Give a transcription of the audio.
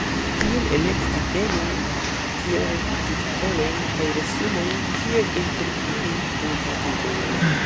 kiel elekti temojn, kiel redakti titolojn kaj resumojn, kiel intervjui invititojn.